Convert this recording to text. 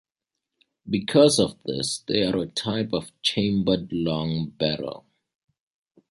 Because of this they are a type of chambered long barrow.